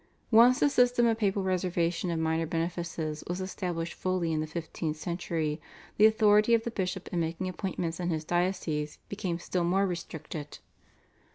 Once the system of papal reservation of minor benefices was established fully in the fifteenth century, the authority of the bishop in making appointments in his diocese became still more restricted.